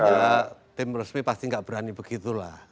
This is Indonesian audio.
ya tim resmi pasti gak berani begitu lah